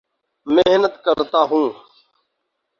محنت کرتا ہوں